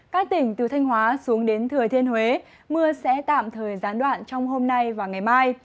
các tỉnh từ thanh hóa xuống đến thừa thiên huế mưa sẽ tạm thời gián đoạn trong hôm nay và ngày mai